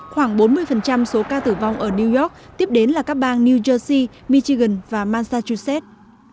khoảng bốn mươi số ca tử vong ở new york tiếp đến là các bang new jersey michigan và massachusett